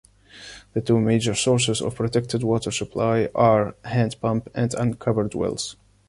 The two major sources of protected water supply are hand pump and uncovered wells.